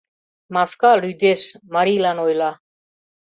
Маска лӱдеш, марийлан ойла: